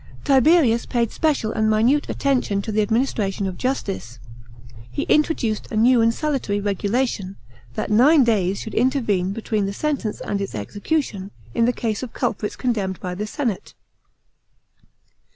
§ 8. Tiberius paid special and minute attention to the adminis tration of justice. He introduced a new and salutary regulation, that nine days should intervene between the sentence and its execution, in the case of culprits condemned by the senate.